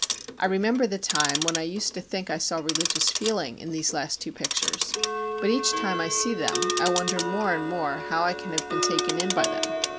I remember the time when I used to think I saw religious feeling in these last two pictures, but each time I see them I wonder more and more how I can have been taken in by them.